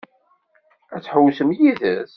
Ad ḥewwsen yid-s?